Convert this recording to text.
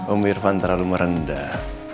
om irfan terlalu merendah